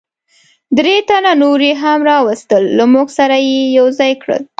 درې تنه نور یې هم را وستل، له موږ سره یې یو ځای کړل.